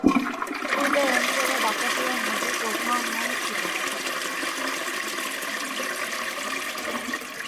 পূর্বে এ অঞ্চলে ডাকাতিয়া নদী প্রবহমান ছিল।